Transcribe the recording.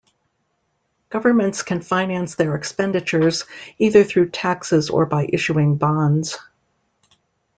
Governments can finance their expenditures either through taxes or by issuing bonds.